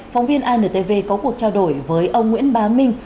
phóng viên antv có cuộc trao đổi với ông nguyễn bá minh